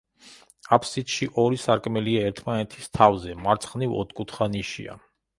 აფსიდში ორი სარკმელია ერთმანეთის თავზე, მარცხნივ ოთხკუთხა ნიშია.